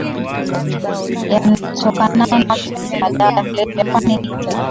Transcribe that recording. yatokanayo na matumizi ya madawa ya kulevya kwani ni hatari